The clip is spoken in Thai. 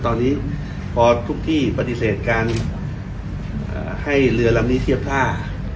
ตอนนี้พอทุกที่ปฏิเสธการให้เรือลำนี้เทียบท่า